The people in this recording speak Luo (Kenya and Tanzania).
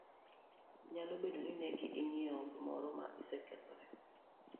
Nyalo bedo ni ne ing'iewo gimoro ma osekethore,